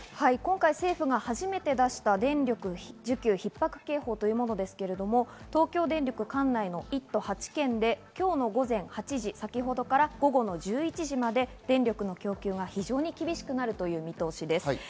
今回、政府が初めて出した電力需給ひっ迫警報というものですけれど東京電力管内の１都８県で今日の午前８時、先ほどから午後１１時まで電力の供給が非常に厳しくなるという見通しです。